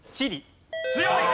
強い！